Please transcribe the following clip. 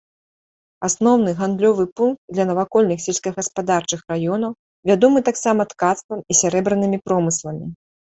Асноўны гандлёвы пункт для навакольных сельскагаспадарчых раёнаў, вядомы таксама ткацтвам і сярэбранымі промысламі.